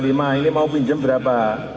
dua puluh lima ini mau pinjem berapa